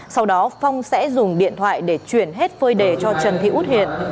sau đó phong sẽ dùng điện thoại để chuyển hết phơi đề cho trần thị út hiền